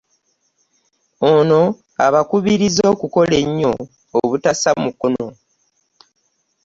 Ono abakubirizza okukola ennyo obutassa mukono.